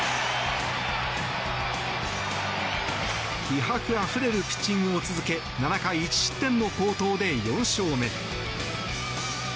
気迫あふれるピッチングを続け７回１失点の好投で４勝目。